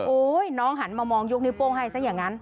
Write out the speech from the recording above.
น้องหันมามองยกนิ้วโป้งให้ซะอย่างนั้น